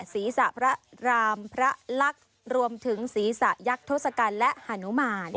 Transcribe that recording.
ศีรษะพระรามพระลักษณ์รวมถึงศีรษะยักษ์ทศกัณฐ์และฮานุมาน